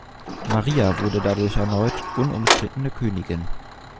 Maria wurde dadurch erneut unumstrittene Königin.